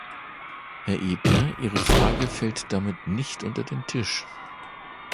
Herr Ebner, Ihre Frage fällt damit nicht unter den Tisch.